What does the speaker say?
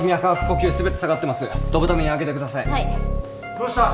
どうした！？